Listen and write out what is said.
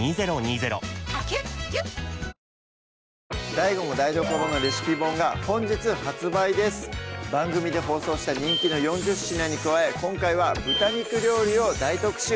ＤＡＩＧＯも台所のレシピ本が本日発番組で放送した人気の４０品に加え今回は豚肉料理を大特集